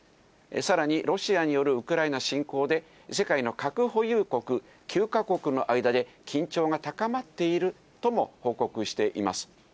さらにロシアによるウクライナ侵攻で、世界の核保有国９か国の間で緊張が高まっているとも報告しています。